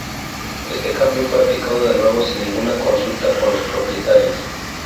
Este cambio fue aplicado de nuevo sin ninguna consulta con los propietarios.